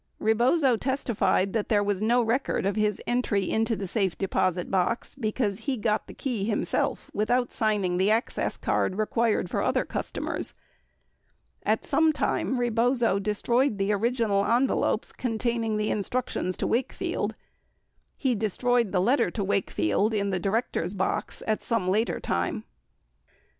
78 Rebozo testified that there was no record of his entry into the safe deposit box because he got the key himself without signing the access card required for other customers. 77 At some time Rebozo destroyed the original envelopes containing the instructions to Wakefield. He destroyed the letter to Wakefield in the directors' box at some later time.